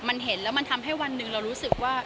มันเห็นแล้วมันทำให้วันหนึ่งเรารู้สึกว่า